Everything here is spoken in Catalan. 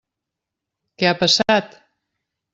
Què ha passat?